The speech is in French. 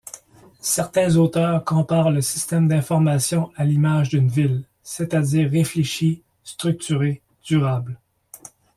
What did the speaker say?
Certains auteurs comparent le système d'information à l’image d’une ville, c'est-à-dire réfléchie, structurée, durable.